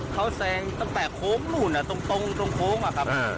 เขาแซงตั้งแต่โค้งนู่นตรงโค้งอะครับ